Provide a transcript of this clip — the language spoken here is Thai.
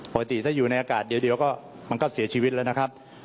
ปกติถ้าอยู่ในอากาศเดียวก็มันก็เสียชีวิตแล้วนะครับ